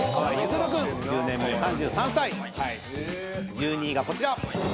１２位がこちら。